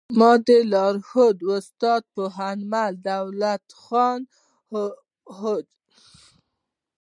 ما د لارښود استاد پوهنمل دولت خان جوهر تر لارښوونې لاندې کار وکړ